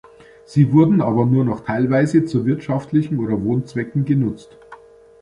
Sie wurden aber nur noch teilweise zu wirtschaftlichen oder Wohnzwecken genutzt.